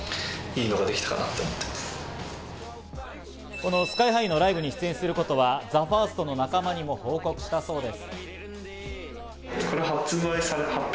このＳＫＹ−ＨＩのライブに出演することはＴＨＥＦＩＲＳＴの仲間にも報告したそうです。